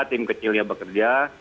tim kecilnya bekerja